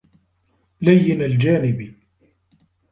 لَيِّنَ الْجَانِبِ